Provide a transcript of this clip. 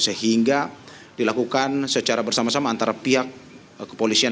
sehingga dilakukan secara bersama sama antara pihak kepolisian